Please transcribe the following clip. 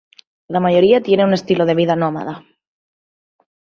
La mayoría tiene un estilo de vida nómada.